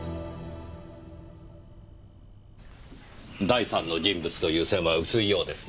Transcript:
第三の人物という線は薄いようですね。